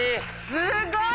すごい！